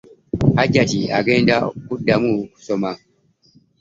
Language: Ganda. Hajjati agenda kuddamu kusoma.